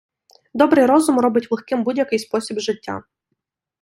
Добрий розум, робить легким будь-який спосіб життя.